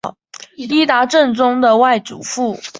伊达政宗的外祖父。